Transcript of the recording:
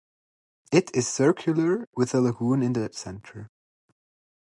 It is circular, with a lagoon in the center.